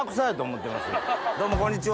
どうもこんにちは。